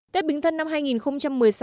tết bính thân năm hai nghìn một mươi sáu